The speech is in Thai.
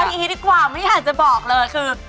อย่างนี้ดีกว่าไม่อยากจะบอกเลยคือ